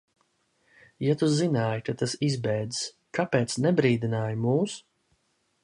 Ja tu zināji, ka tas izbēdzis, kāpēc nebrīdināji mūs?